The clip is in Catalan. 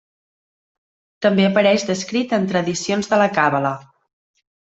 També apareix descrit en tradicions de la càbala.